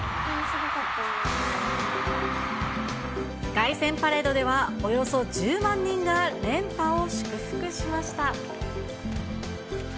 凱旋パレードでは、およそ１０万人が連覇を祝福しました。